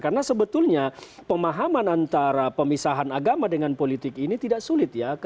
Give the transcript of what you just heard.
karena sebetulnya pemahaman antara pemisahan agama dengan politik ini tidak sulit ya